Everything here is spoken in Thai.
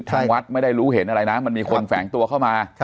ทางวัดไม่ได้รู้เห็นอะไรนะมันมีคนแฝงตัวเข้ามา